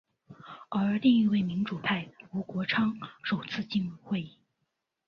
而另一位民主派吴国昌首次进入议会。